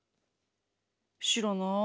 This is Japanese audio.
知らない。